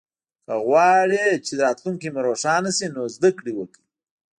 که غواړی چه راتلونکې مو روښانه شي نو زده ګړې وکړئ